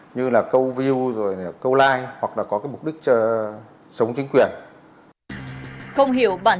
như là câu view câu like hoặc là có mục đích sống chính quyền